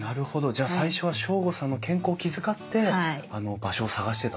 じゃあ最初は省吾さんの健康を気遣って場所を探してたと？